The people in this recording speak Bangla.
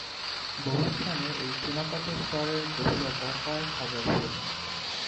বহু স্থানে এই চুনাপাথর স্তরের গভীরতা কয়েক হাজার ফুট।